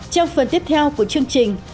trong phần tiếp theo của chương trình